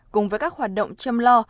cùng với các hoạt động chăm lo